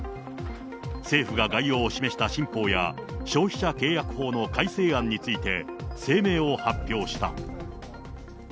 政府が概要を示した新法や、消費者契約法の改正案について声明を発表した。